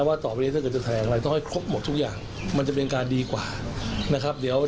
มาแถลงเลยดีกว่านะครับ